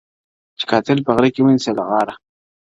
چي قاتل په غره کي ونیسي له غاره-